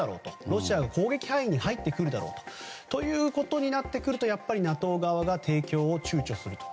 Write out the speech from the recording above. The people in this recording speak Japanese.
ロシアが攻撃範囲に入ってくるだろうということになってくるとＮＡＴＯ側が提供をちゅうちょすると。